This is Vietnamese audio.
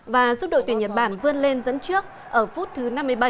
và giúp đội tuyển nhật bản vươn lên dẫn trước ở phút thứ năm mươi bảy